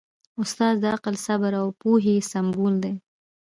استاد د عقل، صبر او پوهې سمبول دی.